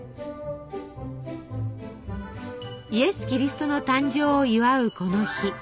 イエス・キリストの誕生を祝うこの日。